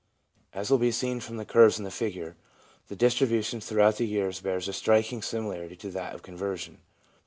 2 As will be seen from the curves in the figure, the distribution throughout the years bears a striking simi larity to that of conversion.